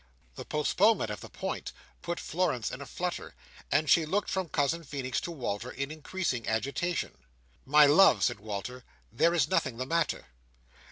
This postponement of the point, put Florence in a flutter; and she looked from Cousin Feenix to Walter, in increasing agitation. "My love," said Walter, "there is nothing the matter."